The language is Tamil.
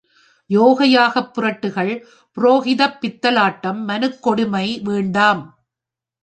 யோக யாகப் புரட்டுகள், புரோகிதப் பித்தலாட்டம், மனுக்கொடுமை வேண்டாம்.